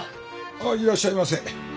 あっいらっしゃいませ。